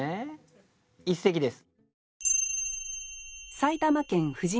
一席です。